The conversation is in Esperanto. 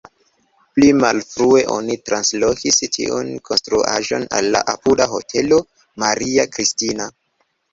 Pli malfrue oni translokis tiun konstruaĵon al la apuda Hotelo Maria Kristina.